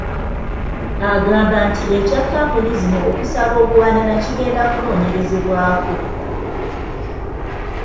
Agamba nti ekya kkampuni zino okusaba obuwanana kigenda kunoonyerezebwako.